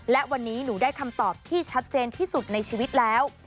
และวันนี้หนูได้คำตอบที่ชัดเจนที่สุดในชีวิตแล้ว